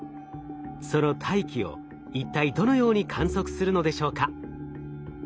その大気を一体どのように観測するのでしょうか？